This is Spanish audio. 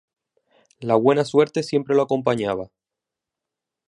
La buena suerte siempre lo acompañaba.